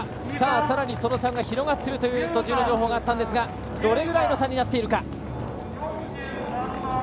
さらにその差が広がっているという途中の情報があったんですがどれぐらいの差になっているか。